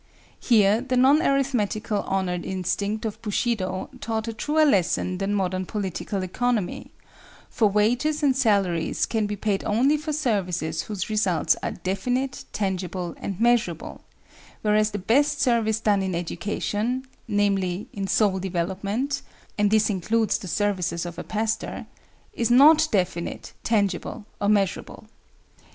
Here the non arithmetical honor instinct of Bushido taught a truer lesson than modern Political Economy; for wages and salaries can be paid only for services whose results are definite, tangible, and measurable, whereas the best service done in education,—namely, in soul development (and this includes the services of a pastor), is not definite, tangible or measurable.